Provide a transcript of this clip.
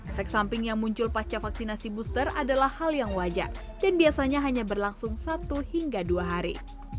efek samping yang muncul pasca vaksinasi booster adalah hal yang wajar dan biasanya hanya berlangsung satu hingga dua hari